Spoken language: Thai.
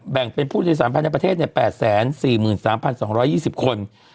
เป็นผู้โดยสารภายในประเทศ๘๔๓๒๒๐คน